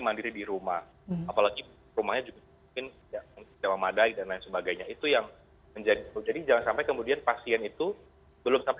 sampai kita mikir stigma